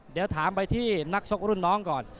เดี๋ยวถามไปที่นักชกรุ่นน้องก่อน